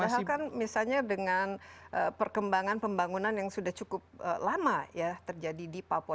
padahal kan misalnya dengan perkembangan pembangunan yang sudah cukup lama ya terjadi di papua